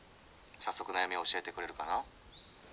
早速悩みを教えてくれるかな？」。